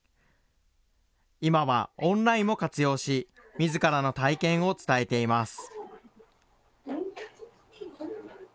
今はオンラインも活用し、みずからの体験を伝えています。